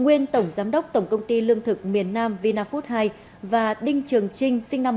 nguyên tổng giám đốc tổng công ty lương thực miền nam vnf hai và đinh trường trinh sinh năm một nghìn chín trăm bảy mươi bốn